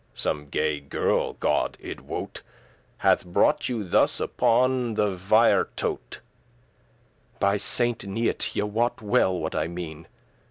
some gay girl,<37> God it wote, Hath brought you thus upon the viretote:<38> By Saint Neot, ye wot well what I mean."